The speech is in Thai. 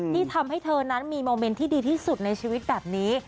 ที่ทำให้เธอนั้นมีโมเมนต์ที่ดีที่สุดในชีวิตแบบนี้